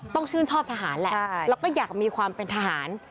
ต้องชื่นชอบทหารแหละแล้วก็อยากมีความเป็นทหาร